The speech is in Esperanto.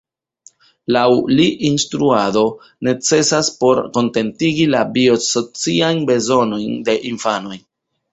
Laŭ li instruado necesas por kontentigi la 'bio-sociajn bezonojn' de infanoj.